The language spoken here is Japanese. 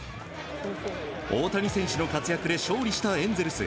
大谷選手の活躍で勝利したエンゼルス。